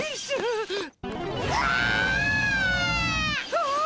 ああ！